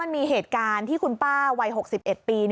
มีเหตุการณ์ที่คุณป้าวัย๖๑ปี